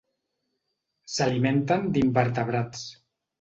S'alimenten d'invertebrats.